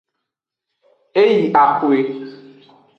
E yi axwe.